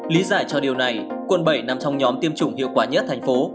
lý giải cho điều này quận bảy nằm trong nhóm tiêm chủng hiệu quả nhất thành phố